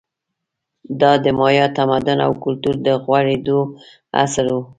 دا د مایا تمدن او کلتور د غوړېدو عصر و